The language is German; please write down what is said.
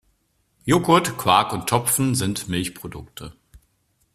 Joghurt, Quark und Topfen sind Milchprodukte.